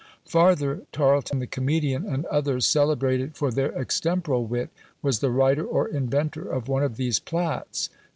Farther, Tarleton the comedian, and others, celebrated for their "extemporal wit," was the writer or inventor of one of these "Platts."